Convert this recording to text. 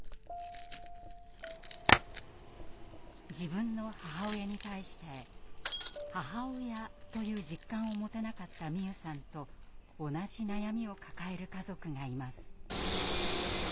自分の母親に対して「母親」という実感を持てなかった美夢さんと同じ悩みを抱える家族がいます。